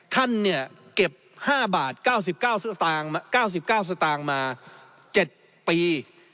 ท่านเนี่ยเก็บ๕บาท๙๙สตางค์มา๗ปี